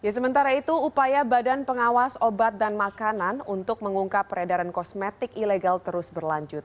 sementara itu upaya badan pengawas obat dan makanan untuk mengungkap peredaran kosmetik ilegal terus berlanjut